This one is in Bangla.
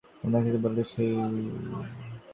সে তোমাকে ওটা বলেছে?